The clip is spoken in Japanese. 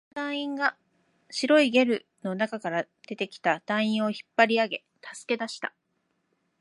数人の隊員が白いゲルの中から出てきた隊員を引っ張り上げ、助け出した